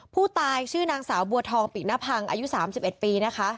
ผู้ตายชื่อนางสาวบัวทองปิณพังอายุ๓๑ปีนะคะ